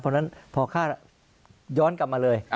เพราะฉะนั้นพอฆ่าย้อนกลับมาเลย